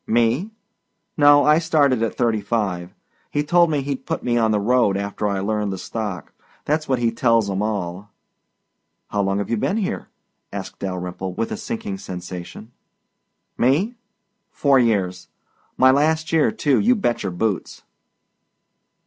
"Me? No, I started at thirty five. He told me he'd put me on the road after I learned the stock. That's what he tells 'em all." "How long've you been here?" asked Dalyrimple with a sinking sensation. "Me? Four years. My last year, too, you bet your boots."